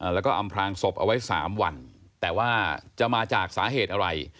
แล้วก็อำพลางศพเอาไว้๓วันแต่ว่าจะมาจากสาเหตุอะไร